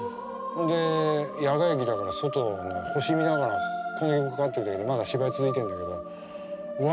で野外劇だから外の星見ながらこの曲かかっててまだ芝居続いてるんだけどうわ